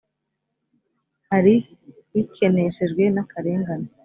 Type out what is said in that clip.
hari ikeneshejwe n akarengane